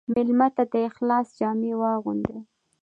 مېلمه ته د اخلاص جامې واغوندې.